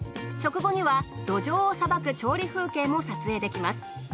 食後にはどじょうをさばく調理風景も撮影できます。